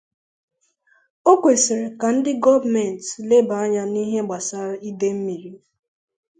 O kwesiri ka ndị gọọmentị leba anya n’ihe gbasara ide mmiri